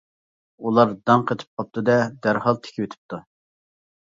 ئۇلار داڭ قېتىپ قاپتۇ دە دەرھال تىكىۋېتىپتۇ.